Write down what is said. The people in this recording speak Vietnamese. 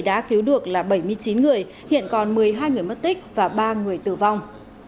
đã cứu được là bảy mươi chín người hiện còn một mươi hai người mất tích và ba người tử vong